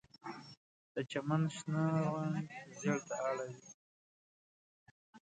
د چمن شنه رنګ ژیړ ته اړوي